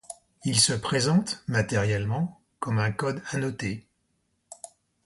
Il se présente, matériellement, comme un code annoté.